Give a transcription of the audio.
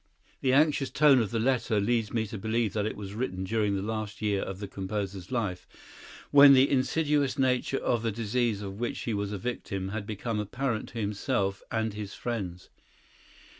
The anxious tone of the letter leads me to believe that it was written during the last year of the composer's life, when the insidious nature of the disease of which he was a victim had become apparent to himself and his friends.